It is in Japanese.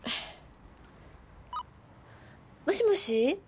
もしもし？